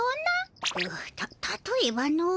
たたとえばの。